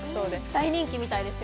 大人気みたいですよ。